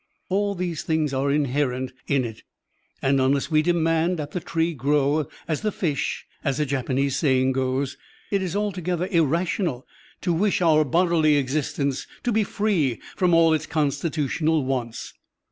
All these things are inherent in it, and unless we demand that the tree grow as the fish, as a Japanese saying goes, it is altogether irrational to wish our bodily existence to be free from all its constitutional wants.